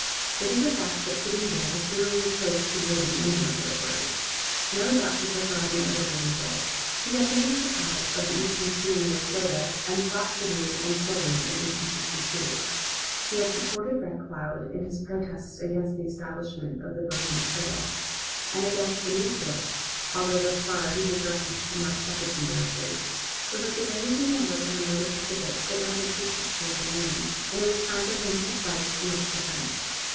It is a fact that Sitting Bull was thoroughly opposed to yielding any more territory. No doubt he foresaw the inevitable result. He had taken up the cause of the Eastern Sioux in Minnesota and fought Sibley and Sully in 1862. He had supported Red Cloud in his protests against the establishment of the Bozeman trail, and against the new forts, although thus far these aggressions had not affected him directly. But when surveyors began work on the Northern Pacific, they entered his particular domain, and it was time for him to fight in its defence.